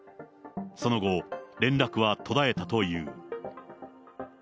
その後、連絡は途絶えたという。